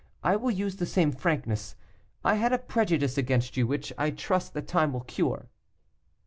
I will use the same frankness. I had a prejudice against you, which I trust that time will cure.